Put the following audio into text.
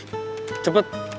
karena air putih cepet